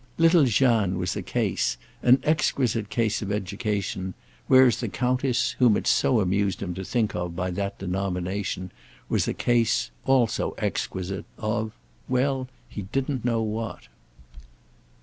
Little Jeanne was a case, an exquisite case of education; whereas the Countess, whom it so amused him to think of by that denomination, was a case, also exquisite, of—well, he didn't know what.